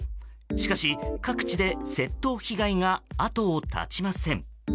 しかし、各地で窃盗被害が後を絶ちません。